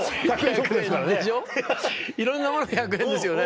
いろんなものが１００円ですよね。